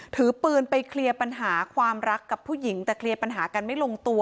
ถือปืนไปเคลียร์ปัญหาความรักกับผู้หญิงแต่เคลียร์ปัญหากันไม่ลงตัว